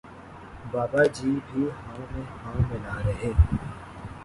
بابا جی بھی ہاں میں ہاں ملا رہے